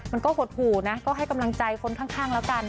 หดหู่นะก็ให้กำลังใจคนข้างแล้วกัน